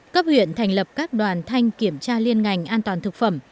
cấp huyện thành lập các đoàn thanh kiểm tra liên ngành an toàn thực phẩm